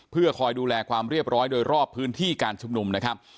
เพื่อคอยดูแลความเรียบร้อยโดยรอบพื้นที่การชุมนุมนะครับ